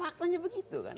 kan faktanya begitu kan